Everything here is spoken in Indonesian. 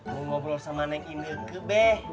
mau ngobrol sama neng ineke be